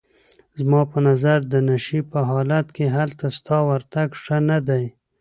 زما په نظر د نشې په حالت کې هلته ستا ورتګ ښه نه دی.